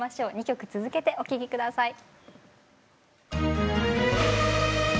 ２曲続けてお聴き下さい。